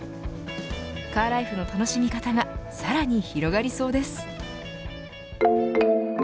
カーライフの楽しみ方がさらに広がりそうです。